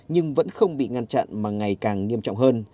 nhưng vẫn không bị ngăn chặn mà ngày càng nghiêm trọng hơn